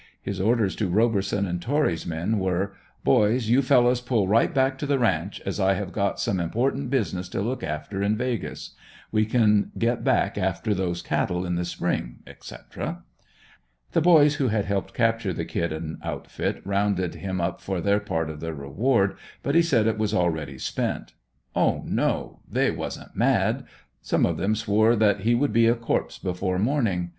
His orders to Roberson and Torry's men were: "Boys, you fellows pull right back to the ranch, as I have got some important business to look after in 'Vegas.' We can come back after those cattle in the spring," etc. The boys who had helped capture the "Kid" and outfit rounded him up for their part of the reward, but he said it was already spent. Oh no, they wasn't mad! Some of them swore that he would be a corpse before morning.